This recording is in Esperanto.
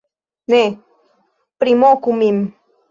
- Ne primoku min